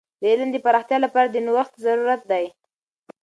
د علم د پراختیا لپاره د نوښت ضرورت دی.